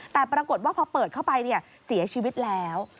แต่ปรากฏว่าพอเปิดเข้าไปเสียชีวิตแล้ว